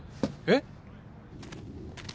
えっ！？